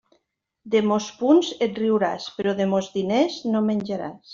De mos punts et riuràs, però de mos diners no menjaràs.